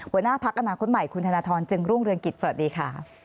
หัวหน้าพักอนาคตใหม่คุณธนทรจึงรุ่งเรืองกิจสวัสดีค่ะ